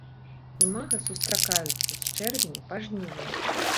Імага сустракаюцца з чэрвеня па жнівень.